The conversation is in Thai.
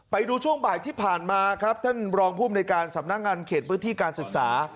ไปดูช่วงบ่ายที่ผ่านมาครับท่านรองภูมิในการสำนักงานเขตพื้นที่การศึกษา